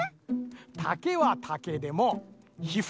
たけはたけでもひふきだけ。ね。